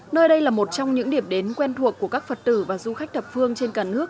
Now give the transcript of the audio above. nơi đây là một trong những điểm đến quen thuộc của các phật tử và du khách thập phương trên cả nước